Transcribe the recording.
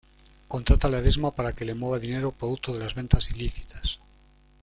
Contrata a Ledesma para que le mueva dinero producto de las ventas ilícitas.